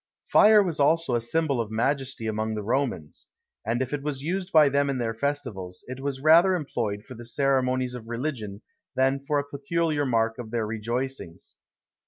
Fire was also a symbol of majesty amongst the Romans; and if it was used by them in their festivals, it was rather employed for the ceremonies of religion than for a peculiar mark of their rejoicings.